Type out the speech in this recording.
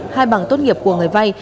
hai bằng tốt nghiệp của người vay